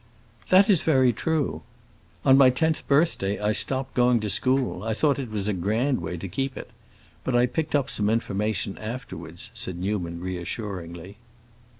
"That is very true; on my tenth birthday I stopped going to school. I thought it was a grand way to keep it. But I picked up some information afterwards," said Newman, reassuringly.